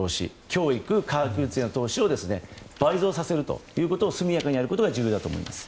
教育への投資を倍増させることを速やかにやることが重要だと思います。